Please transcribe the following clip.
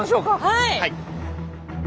はい。